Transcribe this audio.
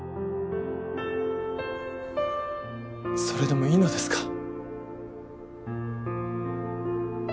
それでもいいのですか。